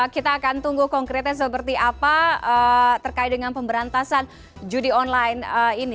kita akan tunggu konkretnya seperti apa terkait dengan pemberantasan judi online ini